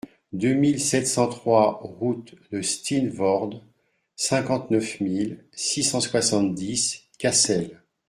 deux mille sept cent trois route de Steenvoorde, cinquante-neuf mille six cent soixante-dix Cassel